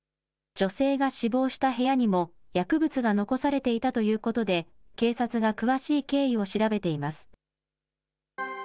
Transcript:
女性が死亡した部屋にも、薬物が残されていたということで、警察が詳しい経緯を調べています。